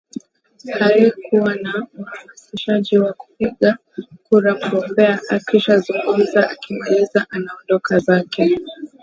haikuwa na uhamasishaji wa kupiga kura mgombea akisha zugumza akimaliza anaondoka zake